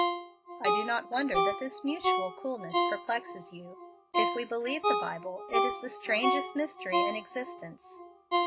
"I do not wonder that this mutual coolness perplexes you. If we believe the Bible, it is the strangest mystery in existence."